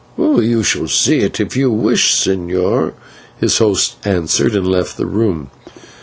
"You shall see if you wish, señor," his host answered, and left the room.